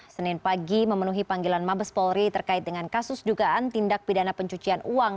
senin pagi memenuhi panggilan mabes polri terkait dengan kasus dugaan tindak pidana pencucian uang